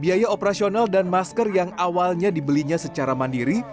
biaya operasional dan masker yang awalnya dibelinya secara mandiri